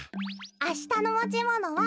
あしたのもちものは。